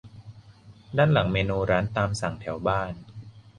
ด้านหลังเมนูร้านตามสั่งแถวบ้าน